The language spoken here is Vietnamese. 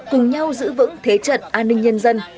cùng nhau giữ vững thế trận an ninh nhân dân